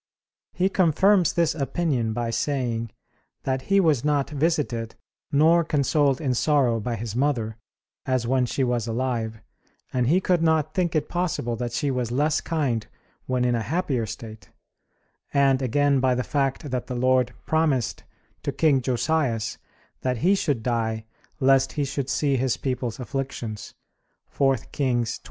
He confirms this opinion by saying that he was not visited, nor consoled in sorrow by his mother, as when she was alive; and he could not think it possible that she was less kind when in a happier state; and again by the fact that the Lord promised to king Josias that he should die, lest he should see his people's afflictions (4 Kings 22:20).